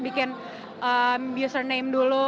jadi kayak kita harus bikin username dulu